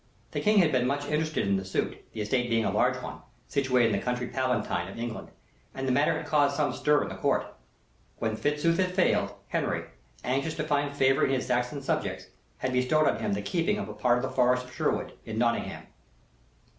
The king had been much interested in the suit, the estate being a large one, situated in the County Palatine of England, and the matter had caused some stir in the Court. When Fitzooth had failed, Henry, anxious to find favor with his Saxon subjects, had bestowed on him the keeping of a part of the forest of Sherwood, in Nottingham.